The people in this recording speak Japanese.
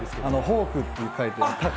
ホークって書いて、たか。